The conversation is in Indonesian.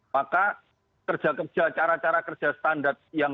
maka kerja kerja cara cara kerja standar yang